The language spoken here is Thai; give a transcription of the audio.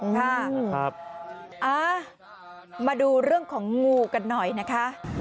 ค่ะนะครับอ่ามาดูเรื่องของงูกันหน่อยนะคะ